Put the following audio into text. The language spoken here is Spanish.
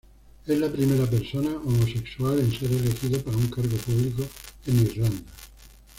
Es la primera persona homosexual en ser elegido para un cargo público en Irlanda.